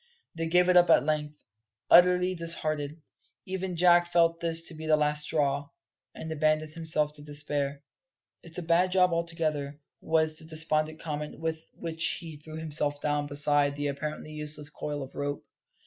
They gave it up at length, utterly disheartened. Even Jack felt this to be the last straw, and abandoned himself to despair. "It's a bad job altogether," was the despondent comment with which he threw himself down beside the apparently useless coil of rope.